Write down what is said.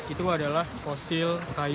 itu adalah fosil kayu